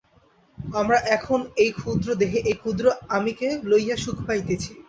আমরা এখন এই ক্ষুদ্র দেহে এই ক্ষুদ্র আমিকে লইয়া সুখ পাইতেছি।